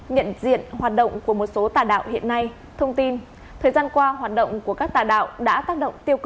những chủ đầu tư bot nào không hoàn thành